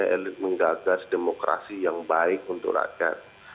elit menggagas demokrasi yang baik untuk rakyat